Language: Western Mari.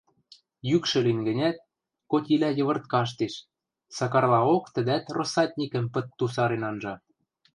Йӱкшӹ лин гӹнят, котилӓ йывырт каштеш, Сакарлаок тӹдӓт россатникӹм пыт тусарен анжа.